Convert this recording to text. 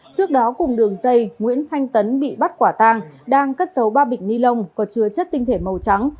trước đó cùng đường dây nguyễn thanh tấn bị bắt quả tang đang cất dấu ba bịch ni lông có chứa chất tinh thể màu trắng